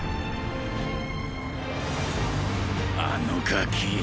あのガキ。